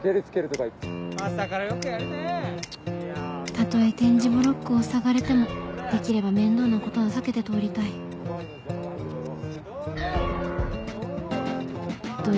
たとえ点字ブロックをふさがれてもできれば面倒なことは避けて通りたいお巡りの邪魔が入ってドロー。